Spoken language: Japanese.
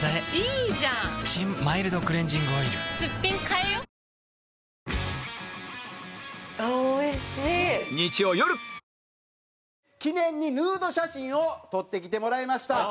帰れば「金麦」記念にヌード写真を撮ってきてもらいました。